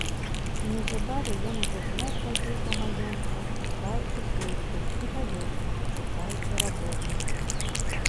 Неўзабаве ён ужо зноў хадзіў па маёнтках, шукаючы службы, і па вёсках, шукаючы работы.